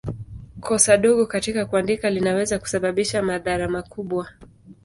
Kosa dogo katika kuandika linaweza kusababisha madhara makubwa.